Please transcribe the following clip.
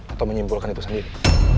atau menyimpulkan itu sendiri